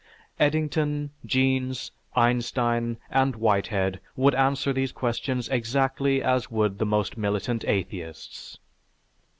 Eddington, Jeans, Einstein, and Whitehead would answer these questions exactly as would the most militant atheists.